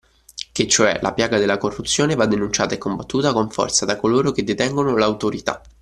Che cioè la piaga della corruzione va denunciata e combattuta con forza da coloro che detengono l'autorità